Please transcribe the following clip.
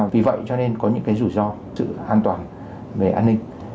vì vậy cho nên có những cái rủi ro sự an toàn về an ninh